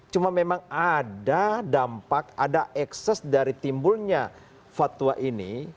cuma memang ada dampak ada ekses dari timbulnya fatwa ini